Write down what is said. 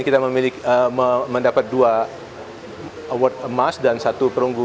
kita mendapat dua award emas dan satu perunggu